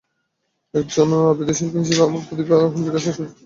একজন আবৃত্তিশিল্পী হিসেবে আমার প্রতিভা বিকাশের সুযোগটা পেয়ে খুব ভালো লাগছে।